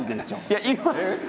いやいますって！